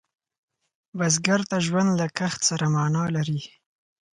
بزګر ته ژوند له کښت سره معنا لري